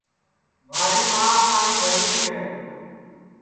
مھاری ماں پاٹؔی بھری ری ہے